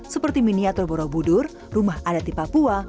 seperti miniatur borobudur rumah adati papua